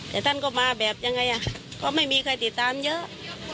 แต่ท่านก็มาแบบยังไงก็ไม่มีใครติดตามเยอะ